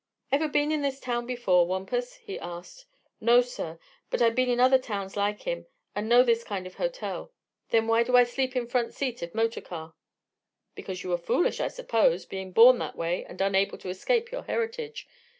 "Ever been in this town before, Wampus?" he asked. "No, sir. But I been in other towns like him, an' know this kind of hotel. Then why do I sleep in front seat of motor car?" "Because you are foolish, I suppose, being born that way and unable to escape your heritage.